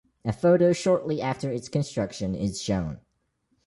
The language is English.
A photo shortly after its construction is shown.